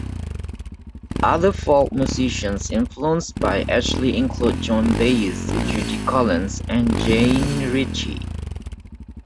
Other folk musicians influenced by Ashley include Joan Baez, Judy Collins, and Jean Ritchie.